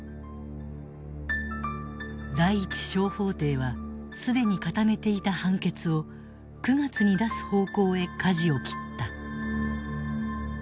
第一小法廷は既に固めていた判決を９月に出す方向へ舵を切った。